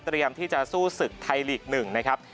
เตรียมที่จะสู้ศึกไทยลีกฯ๑นะครับ